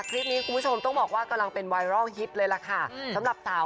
คลิปนี้คุณผู้ชมต้องบอกว่ากำลังเป็นไวรัลฮิตเลยล่ะค่ะสำหรับสาว